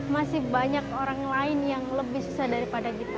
masih banyak orang lain yang lebih susah daripada kita